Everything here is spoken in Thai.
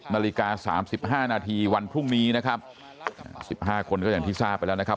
นาฬิกา๓๕นาทีวันพรุ่งนี้นะครับ๑๕คนก็อย่างที่ทราบไปแล้วนะครับ